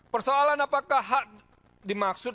persoalan apakah hak dimaksud